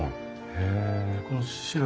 へえ。